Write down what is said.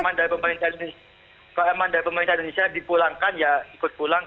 kalau emang dari pemerintah indonesia dipulangkan ya ikut pulang